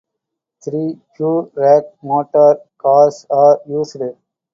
Three pure-rack motor cars are used.